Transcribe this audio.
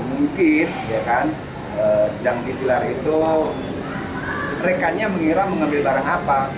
mungkin sedang di pilar itu rekannya mengira mengambil barang apa